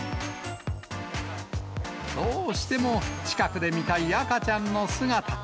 どうしても近くで見たい赤ちゃんの姿。